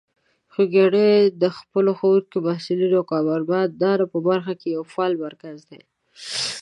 خوږیاڼي د خپلو ښوونکو، محصلینو او کارمندان په برخه کې یو فعال مرکز دی.